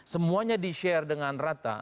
semuanya di share dengan rata